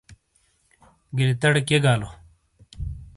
گِلیتاڑے کِئیے گالو؟